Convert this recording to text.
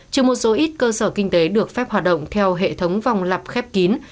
trừ một số ít cơ sở kinh tế được phép hoạt động theo hệ thống vòng lập khép kín